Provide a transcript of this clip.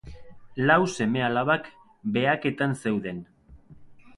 Lau seme-alabak behaketan zeuden.